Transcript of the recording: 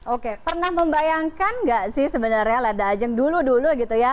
oke pernah membayangkan nggak sih sebenarnya leda ajang dulu dulu gitu ya